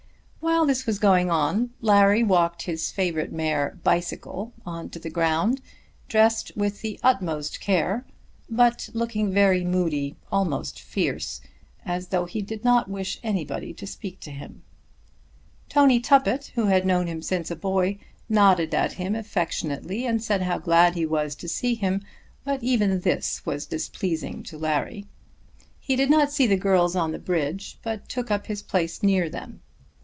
While this was going on, Larry walked his favourite mare "Bicycle" on to the ground, dressed with the utmost care, but looking very moody, almost fierce, as though he did not wish anybody to speak to him. Tony Tuppett, who had known him since a boy, nodded at him affectionately, and said how glad he was to see him; but even this was displeasing to Larry. He did not see the girls on the bridge, but took up his place near them.